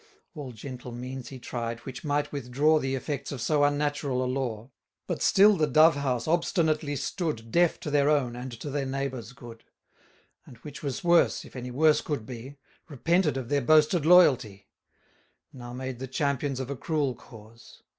All gentle means he tried, which might withdraw The effects of so unnatural a law: But still the Dove house obstinately stood Deaf to their own and to their neighbours' good; And which was worse, if any worse could be, 1090 Repented of their boasted loyalty: Now made the champions of a cruel cause.